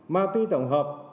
ma túy tổng hợp